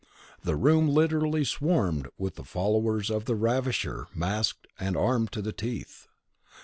The room literally swarmed with the followers of the ravisher, masked, and armed to the teeth.